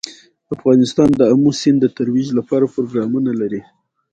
افغانستان د آمو سیند د ترویج لپاره پروګرامونه لري.